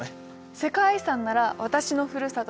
世界遺産なら私のふるさと